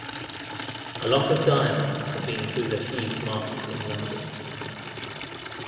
A lot of diamonds had been through the thieves' market in London.